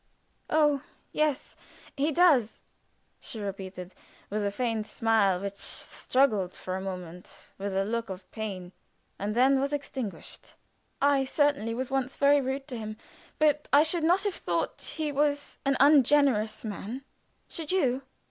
"Oh, yes! he does," she repeated, with a faint smile, which struggled for a moment with a look of pain, and then was extinguished. "I certainly was once very rude to him, but I should not have thought he was an ungenerous man should you?"